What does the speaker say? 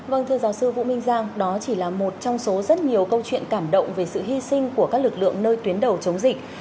vâng thưa giáo sư vũ minh giang đó chỉ là một trong số rất nhiều câu chuyện cảm động về sự hy sinh của các lực lượng nơi tuyến đầu chống dịch